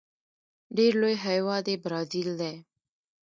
ډیر لوی هیواد یې برازيل دی.